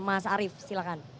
mas arief silahkan